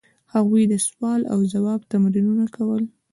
هغوی د سوال او ځواب تمرینونه کول.